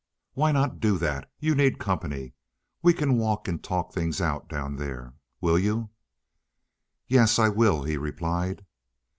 "Why not do that? You need company. We can walk and talk things out down there. Will you?" "Yes, I will," he replied.